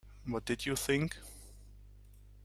What did you think?